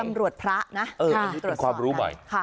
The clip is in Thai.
ตำรวจพระนะความรู้ใหม่